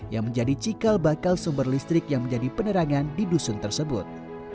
yang menjadi cikal bakal sumber listrik yang menjadi penerangan di dusun tersebut